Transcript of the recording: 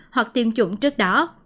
hoặc tiêm chủng trước đó